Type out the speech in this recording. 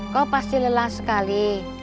kau pasti lelah sekali